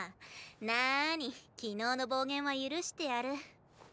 なあに昨日の暴言は許してやる。